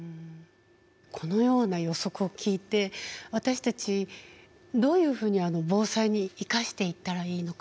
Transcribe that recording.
このような予測を聞いて私たちどういうふうに防災に生かしていったらいいのか。